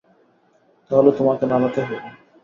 তা হলে তোমাকে নাড়াতে হবে।